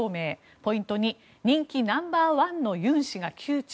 ポイント２人気ナンバー１のユン氏が窮地？